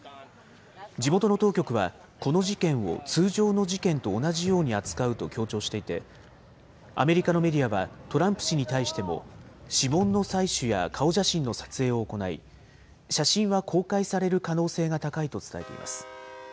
地元の当局は、この事件を通常の事件と同じように扱うと強調していて、アメリカのメディアはトランプ氏に対しても指紋の採取や顔写真の撮影を行い、写真は公開される可能性が高いと伝えています。